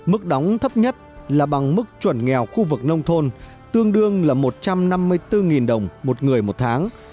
mức đóng thấp nhất là bằng mức chuẩn nghèo khu vực nông thôn tương đương là một trăm năm mươi bốn đồng một người một tháng